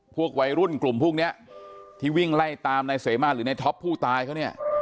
พวกวัยรุ่นกลุ่มพวกเนี้ยที่วิ่งไล่ตามนายเสมาหรือในท็อปผู้ตายเขาเนี่ย